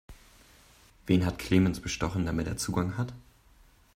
Wen hat Clemens bestochen, damit er Zugang hat?